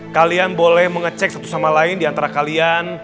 kalian boleh mengecek satu sama lain di antara kalian